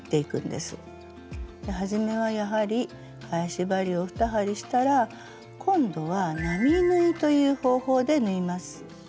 ではじめはやはり返し針を２針したら今度は並縫いという方法で縫います。